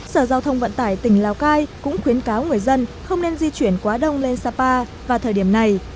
sở giao thông vận tải tỉnh lào cai cũng khuyến cáo người dân không nên di chuyển quá đông lên sapa vào thời điểm này